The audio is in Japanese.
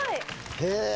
へえ。